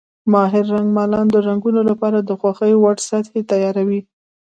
ماهر رنګمالان د رنګونو لپاره د خوښې وړ سطحې تیاروي.